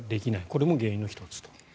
これも原因の１つと。